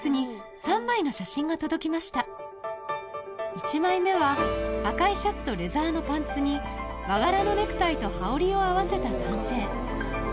１枚目は赤いシャツとレザーのパンツに和柄のネクタイと羽織を合わせた男性